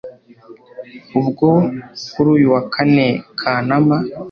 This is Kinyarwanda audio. Ubwo kuri uyu wa kane Kanama